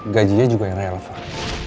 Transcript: gajinya juga yang real far